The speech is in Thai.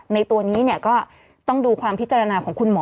ในตัวนี้ก็ต้องดูความพิจารณาของคุณหมอ